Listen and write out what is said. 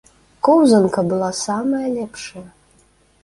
Коўзанка была самая лепшая.